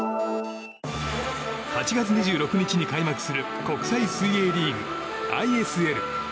８月２６日に開幕する国際水泳リーグ・ＩＳＬ。